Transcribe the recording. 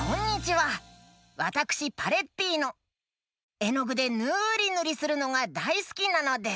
えのぐでぬりぬりするのがだいすきなのです。